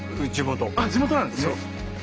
あっ地元なんですね！